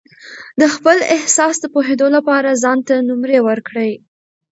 د خپل احساس د پوهېدو لپاره ځان ته نمرې ورکړئ.